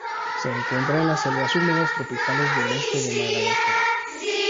Se encuentra en las selvas húmedas tropicales del este de Madagascar